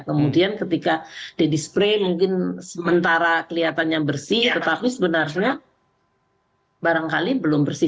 kemudian ketika di dispray mungkin sementara kelihatannya bersih tetapi sebenarnya barangkali belum bersih